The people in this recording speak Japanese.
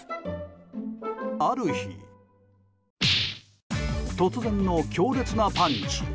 ある日突然の強烈なパンチ。